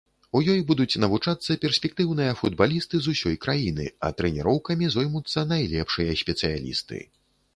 У ёй будуць навучацца перспектыўныя футбалісты з усёй краіны, а трэніроўкамі зоймуцца найлепшыя спецыялісты.